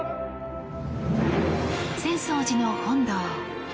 浅草寺の本堂。